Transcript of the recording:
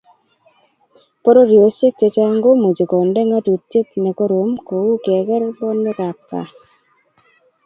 Pororiosiek chechang komuchi konde ngatutiet ne korom kou keker bonwekab kr